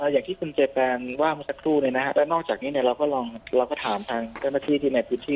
อย่างที่คุณเจแปนว่าเมื่อสักครู่แล้วนอกจากนี้เราก็ถามทางเจ้าหน้าที่ที่ในพื้นที่